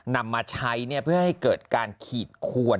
นำมาใช้เพื่อให้เกิดการขีดขวน